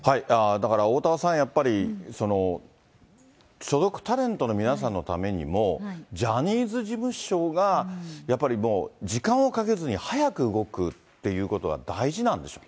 だからおおたわさん、やっぱり、所属タレントの皆さんのためにも、ジャニーズ事務所が、やっぱり時間をかけずに早く動くっていうことが大事なんでしょう